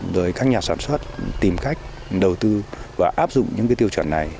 rồi các nhà sản xuất tìm cách đầu tư và áp dụng những cái tiêu chuẩn này